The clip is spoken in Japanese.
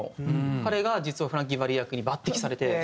彼が実はフランキー・ヴァリ役に抜擢されて。